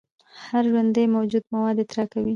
هر ژوندی موجود مواد اطراح کوي